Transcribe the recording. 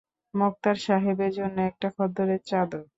মোক্তার সাহেবের জন্য একটা খদ্দরের চাদর।